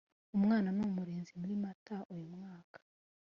umwana n’umurinzi muri Mata uyu mwaka